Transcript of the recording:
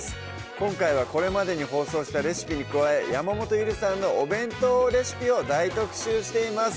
今回はこれまでに放送したレシピに加え山本ゆりさんのお弁当レシピを大特集しています